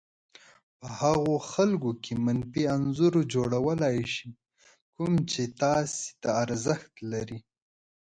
په هغو خلکو کې منفي انځور جوړولای شي کوم چې تاسې ته ارزښت لري.